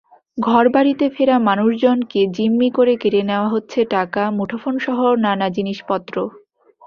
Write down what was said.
ঘরবাড়িতে ফেরা মানুষজনকে জিম্মি করে কেড়ে নেওয়া হচ্ছে টাকা, মুঠোফোনসহ নানা জিনিসপত্র।